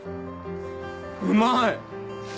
うまい！